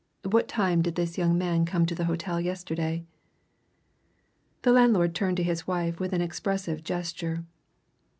What time did this young man come to the hotel yesterday?" The landlord turned to his wife with an expressive gesture.